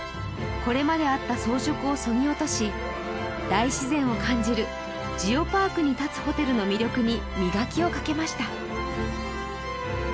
これまであった装飾をそぎ落とし大自然を感じる「ジオパークに建つホテル」の魅力に磨きをかけました